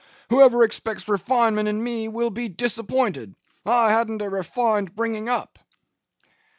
Whoever expects refinement in me will be disappointed. I hadn't a refined bringing up.